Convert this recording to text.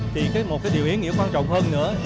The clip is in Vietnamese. thì một điều ý nghĩa quan trọng hơn nữa